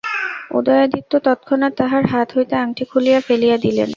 উদয়াদিত্য তৎক্ষণাৎ তাঁহার হাত হইতে আংটি খুলিয়া ফেলিয়া দিলেন।